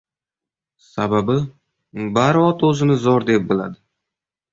Sababi, bari ot o‘zini zo‘r deb biladi.